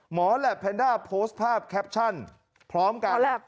แหลปแพนด้าโพสต์ภาพแคปชั่นพร้อมกัน